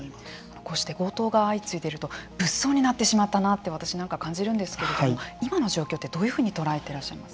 こうして強盗が相次いでいると物騒になってしまったなと私なんかは感じるんですけれども今の状況ってどういうふうに捉えていらっしゃいますか。